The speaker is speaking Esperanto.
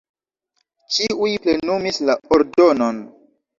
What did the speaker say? Ĉiuj plenumis la ordonon.